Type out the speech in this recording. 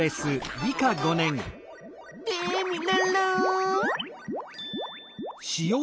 テミルンルン！